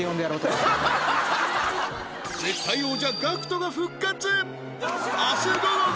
絶対王者 ＧＡＣＫＴ が復活！